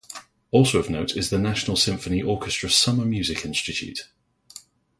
Also of note is the National Symphony Orchestra Summer Music Institute.